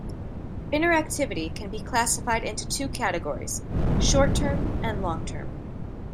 Interactivity can be classified into two categories: Short-term and long-term.